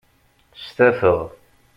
Stafeɣ.